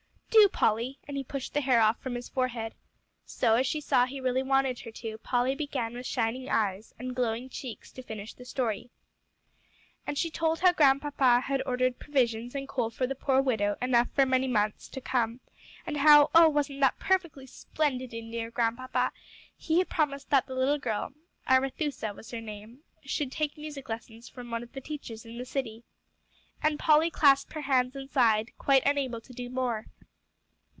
"Do, Polly," and he pushed the hair off from his forehead. So, as she saw he really wanted her to, Polly began with shining eyes, and glowing cheeks, to finish the story. And she told how Grandpapa had ordered provisions and coal for the poor widow enough for many months to come; and how oh, wasn't that perfectly splendid in dear Grandpapa? he had promised that the little girl (Arethusa was her name) should take music lessons from one of the teachers in the city. And Polly clasped her hands and sighed, quite unable to do more.